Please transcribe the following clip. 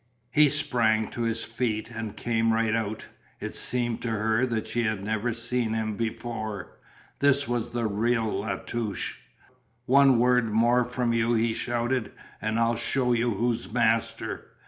He sprang to his feet and came right out. It seemed to her that she had never seen him before. This was the real La Touche. "One word more from you," he shouted, "and I'll show you who's master.